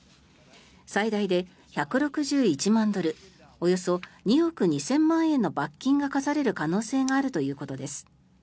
最大で１６１万ドルおよそ２億２０００万円の罰金が科される可能性があるということです。